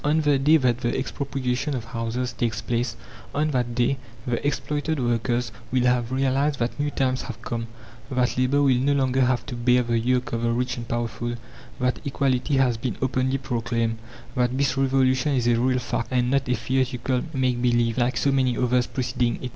On the day that the expropriation of houses takes place, on that day, the exploited workers will have realized that new times have come, that Labour will no longer have to bear the yoke of the rich and powerful, that Equality has been openly proclaimed, that this Revolution is a real fact, and not a theatrical make believe, like so many others preceding it.